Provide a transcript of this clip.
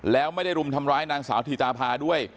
แล้วไม่ได้รุมทำร้ายนางสาวธีตาพาด้วย